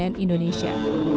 dan cnn indonesia